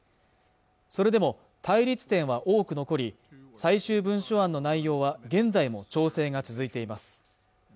それでも対立点は多く残り最終文書案の内容は現在も調整が続いています